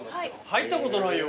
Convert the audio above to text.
入ったことないよ。